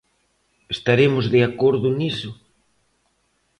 ¿Estaremos de acordo niso?